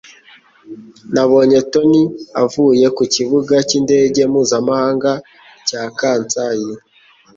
Nabonye Tony avuye ku kibuga cy'indege mpuzamahanga cya Kansai